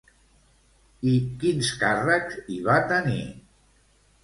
I quins càrrecs hi va tenir?